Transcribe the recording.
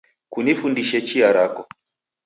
Kunifundishe chia rako